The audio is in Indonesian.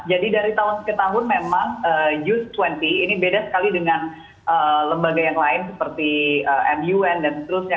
jadi dari tahun ke tahun memang y dua puluh ini beda sekali dengan lembaga yang lain seperti mun dan seterusnya